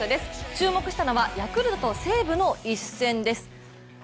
注目したのはヤクルト×西武の一戦です。